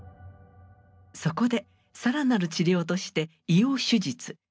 そこで更なる治療として胃を手術。